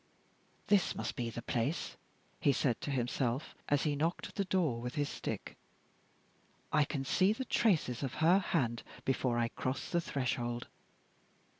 "This must be the place," he said to himself, as he knocked at the door with his stick. "I can see the traces of her hand before I cross the threshold."